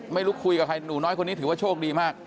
คุยกับใครหนูน้อยคนนี้ถือว่าโชคดีมาก